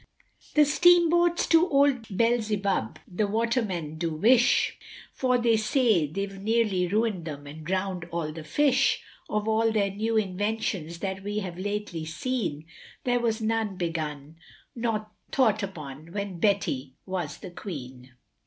The steam boats to old Belzebub the watermen do wish, For they say they've nearly ruined them and drowned all the fish, Of all their new inventions that we have lately seen There was none begun or thought upon when Betty was the queen.